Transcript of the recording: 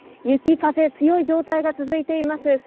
ゆき、風、強い状態が続いています。